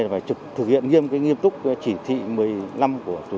phải thực hiện nghiêm cứu nghiêm túc chỉ thị một mươi năm của chủ tịch ủy ban nhân dân bộ nội